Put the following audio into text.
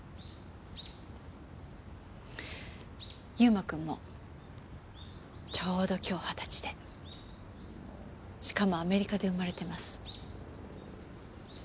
優馬くんもちょうど今日二十歳でしかもアメリカで生まれてます。